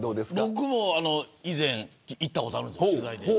僕も以前行ったことあるんです、取材で。